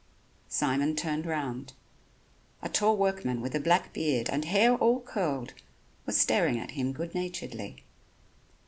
Simon turned round. A tall workman with a black beard and hair all curled, was staring at him good naturedly.